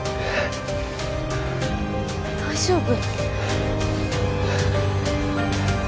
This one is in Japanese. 大丈夫？